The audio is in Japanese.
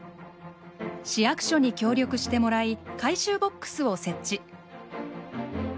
市役所に協力してもらい回収ボックスを設置。